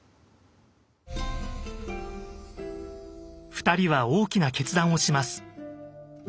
２人は大きな決断をします。